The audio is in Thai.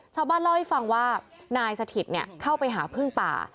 ชาวบ้านเล่าให้ฟังว่านายสถิตเข้าไปหาพึ่งป่า